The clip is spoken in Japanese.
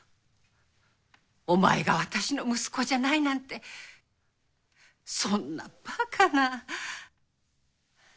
お前が私の息子じゃないなんてそんなバカな。